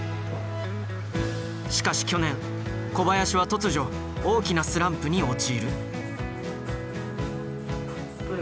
しかし去年小林は突如大きなスランプに陥る。